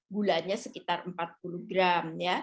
gulanya sekitar empat puluh gram